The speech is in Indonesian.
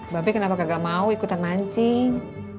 mbak be kenapa gak mau ikutan mancing